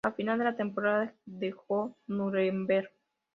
A Final de la temporada dejó Nuremberg.